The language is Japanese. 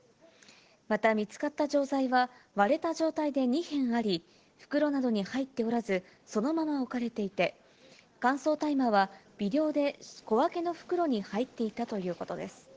また見つかった錠剤は、割れた状態で２片あり、袋などに入っておらず、そのまま置かれていて、乾燥大麻は微量で小分けの袋に入っていたということです。